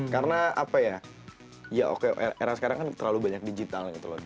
karena apa ya ya oke era sekarang kan terlalu banyak digital gitu loh